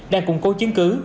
đang củng cố chứng cứ